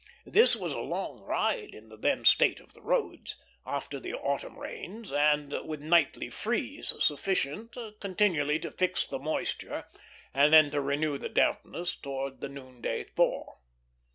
This was a long ride in the then state of the roads, after the autumn rains, and with nightly freeze sufficient continually to fix the moisture, and then to renew the dampness towards the noonday thaw.